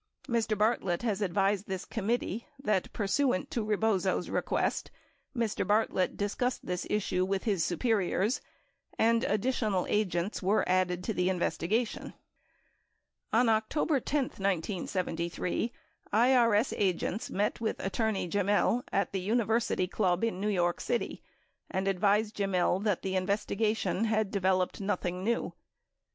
Mr. Bartlett has advised this committee that pursuant to Rebozo's request, Mr. Bartlett discussed this issue with his superiors and additional agents were added to the investi gation. On October 10, 1973, IRS agents met with Attorney Gemmill at the University Club in New York City and advised Gemmill that the investigation had developed nothing new.